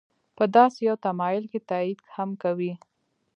په داسې یو تمایل که تایید هم کوي.